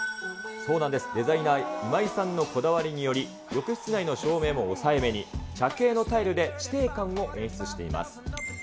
そうなんです、デザイナー、今井さんのこだわりにより、浴室内の照明も抑えめに、茶系のタイルで地底感を演出しています。